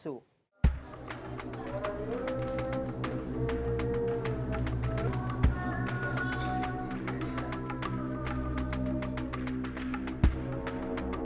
supaya beliau lebih khusus